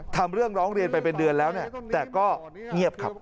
ทำเรื่องร้องเรียนไปเป็นเดือนแล้วแต่ก็เงียบครับ